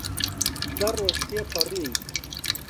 دە ڕۆژ تێپەڕین.